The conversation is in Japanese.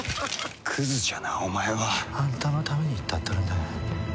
クズじゃなお前は。あんたのために言ったっとるんだがや。